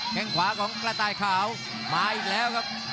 แค่งขวาของกระต่ายขาวมาอีกแล้วครับ